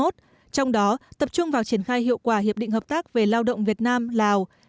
trong đó tập trung vào triển khai hiệu quả hiệp định hợp tác về lao động việt nam lào